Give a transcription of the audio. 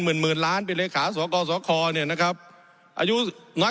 หมื่นหมื่นล้านเป็นเลขาสกสคเนี่ยนะครับอายุน้อย